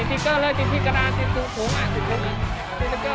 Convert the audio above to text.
เร็วเร็วเร็วเร็วอีก๒รอบเพราะนั้นอ่ะฮะ